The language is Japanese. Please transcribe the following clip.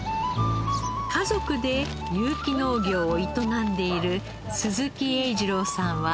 家族で有機農業を営んでいる鈴木英次郎さんは農家の５代目。